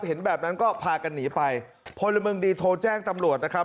เห็นแบบนั้นก็พากันหนีไปพลเมืองดีโทรแจ้งตำรวจนะครับ